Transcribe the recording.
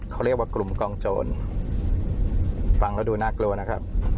เขาเรียกว่ากลุ่มกองโจรฟังแล้วดูน่ากลัวนะครับ